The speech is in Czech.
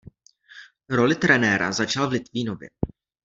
Roli trenéra začal v Litvínově.